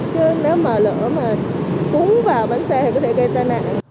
chứ nếu mà lỡ mà cuốn vào bánh xe thì có thể gây tai nạn